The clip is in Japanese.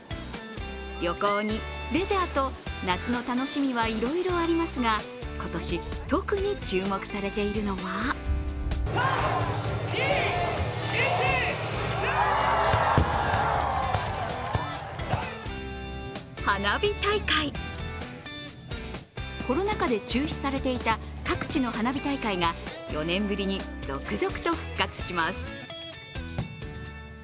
旅行にレジャーと夏の楽しみはいろいろありますが、今年、特に注目されているのは花火大会！コロナ禍で中止されていた各地の花火大会が４年ぶりに続々と復活します。